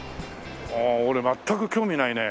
ああ俺全く興味ないね。